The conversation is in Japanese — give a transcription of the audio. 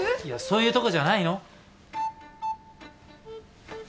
いやそういうとこじゃないの？